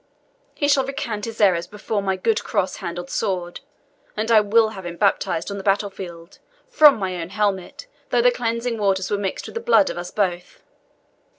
He shall recant his errors before my good cross handled sword, and I will have him baptized on the battle field, from my own helmet, though the cleansing waters were mixed with the blood of us both.